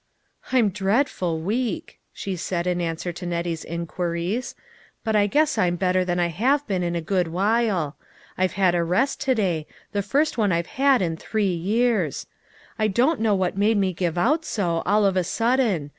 60 LITTLE FISHERS : AND THEIK NETS. " I'm dreadful weak," she said in answer to Nettie's inquiries, " but I guess I'm better than I have been in a good while. I've had a rest to day ; the first one I have had in three years. I don't know what made me give out so, all of a sudden.